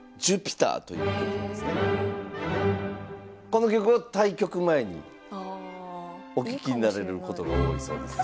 この曲を対局前にお聴きになられることが多いそうです。